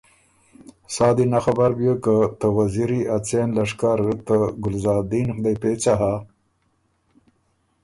سا دی نک خبر بیوک که ته وزیری ا څېن لشکر ته ګلزادین غدئ پېڅه هۀ،